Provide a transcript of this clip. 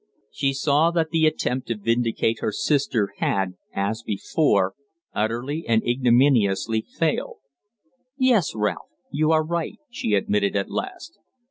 She saw that the attempt to vindicate her sister had, as before, utterly and ignominiously failed. "Yes, Ralph, you are right," she admitted at last.